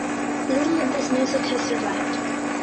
Little of this music has survived.